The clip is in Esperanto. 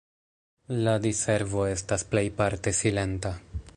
La diservo estas plejparte silenta.